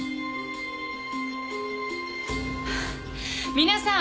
皆さん！